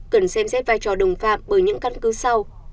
cần xem xét vai trò đồng phạm bởi những căn cứ sau